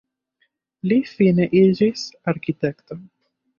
Li fine iĝis arkitekto.